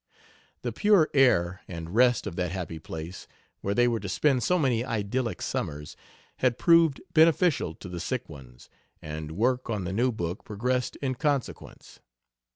The pure air and rest of that happy place, where they were to spend so many idyllic summers, had proved beneficial to the sick ones, and work on the new book progressed in consequence.